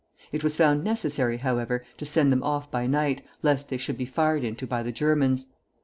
It was found necessary, however, to send them off by night, lest they should be fired into by the Germans.